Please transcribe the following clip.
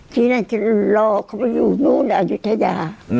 ที่ไหนจะรอเขาไปอยู่นู้นอายุทยา